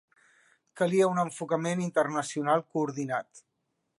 Calia un enfocament internacional coordinat.